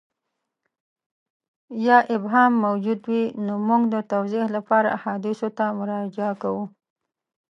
یا ابهام موجود وي نو موږ د توضیح لپاره احادیثو ته مراجعه کوو.